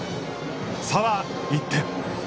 差は１点。